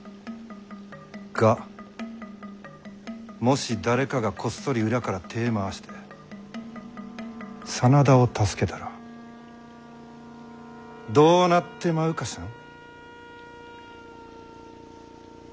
がもし誰かがこっそり裏から手ぇ回して真田を助けたらどうなってまうかしゃん？